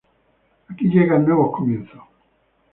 Aquí llegan nuevos comienzos.